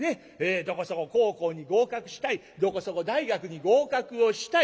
どこそこ高校に合格したいどこそこ大学に合格をしたい。